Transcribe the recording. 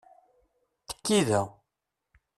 Tekki da.